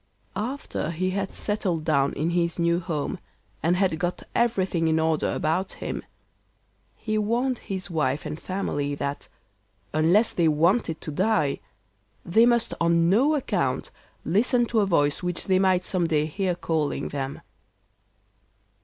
After he had settled down in his new home, and had got everything in order about him, he warned his wife and family that, unless they wanted to die, they must on no account listen to a voice which they might some day hear calling them.